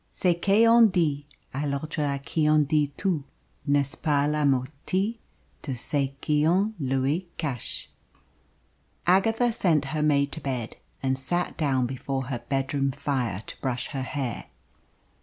Ce qu'on dit a l'etre a qui on dit tout n'est pas la moitie de ce qu'on lui cache. Agatha sent her maid to bed and sat down before her bedroom fire to brush her hair.